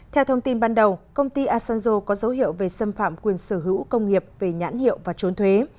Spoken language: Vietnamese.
theo thông tin ban đầu công ty asanjo có dấu hiệu về xâm phạm quyền sở hữu công nghiệp về nhãn hiệu và trốn thuế